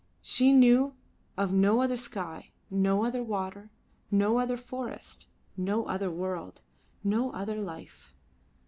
She knew of no other sky, no other water, no other forest, no other world, no other life.